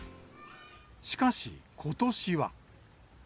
しかし、ことしは。